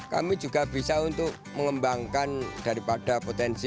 kami juga bisa untuk mengembangkan daripada potensi